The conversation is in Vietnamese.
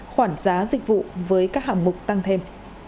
khoản giá dịch vụ với các hạng mục tăng thêm